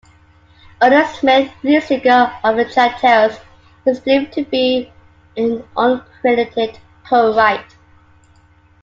Arlene Smith, lead singer of The Chantels, is believed to be an uncredited co-write.